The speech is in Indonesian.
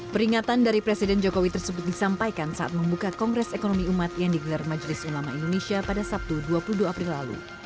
peringatan dari presiden jokowi tersebut disampaikan saat membuka kongres ekonomi umat yang digelar majelis ulama indonesia pada sabtu dua puluh dua april lalu